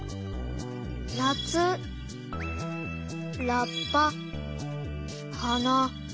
なつラッパはな。